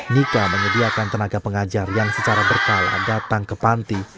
nika menyediakan tenaga pengajar yang secara berkala datang ke panti